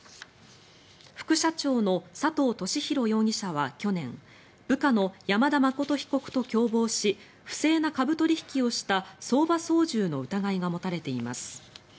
副社長の佐藤俊弘容疑者は去年部下の山田誠被告と共謀し不正な株取引をした相場操縦の疑いが持たれています。